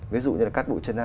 ví dụ như là các bụi chân thân